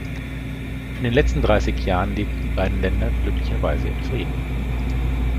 In den letzten dreißig Jahren lebten die beiden Länder glücklicherweise in Frieden.